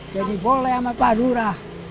jadi boleh sama padura